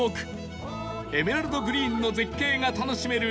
エメラルドグリーンの絶景が楽しめる